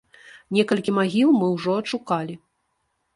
Некалькі магіл мы ўжо адшукалі.